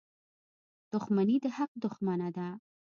• دښمني د حق دښمنه ده.